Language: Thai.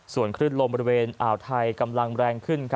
ส่วนคลื่นลมบริเวณอ่าวไทยกำลังแรงขึ้น